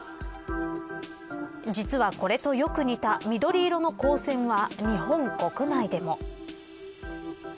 実はこれとよく似た緑色の光線は日本国内でも。